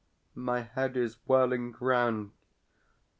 My head is whirling round.